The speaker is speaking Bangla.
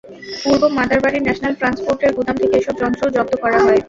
পূর্ব মাদারবাড়ীর ন্যাশনাল ট্রান্সপোর্টের গুদাম থেকে এসব যন্ত্র জব্দ করা হয়।